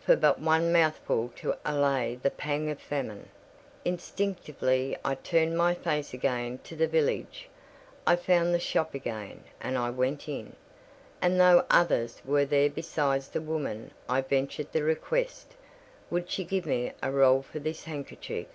for but one mouthful to allay the pang of famine! Instinctively I turned my face again to the village; I found the shop again, and I went in; and though others were there besides the woman I ventured the request—"Would she give me a roll for this handkerchief?"